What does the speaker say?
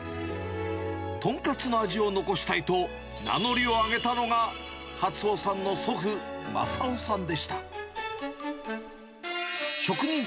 とんかつの味を残したいと、名乗りを上げたのが、初穂さんの祖父、マサオさんでした。